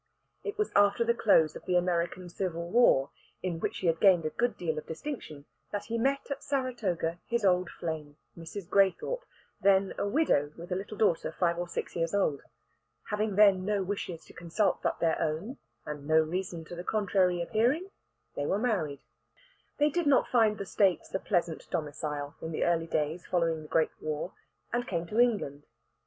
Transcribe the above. It was after the close of the American Civil War, in which he had gained a good deal of distinction, that he met at Saratoga his old flame, Mrs. Graythorpe, then a widow with a little daughter five or six years old. Having then no wishes to consult but their own, and no reason to the contrary appearing, they were married. They did not find the States a pleasant domicile in the early days following the great war, and came to England.